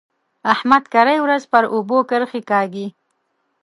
احمد کرۍ ورځ پر اوبو کرښې کاږي.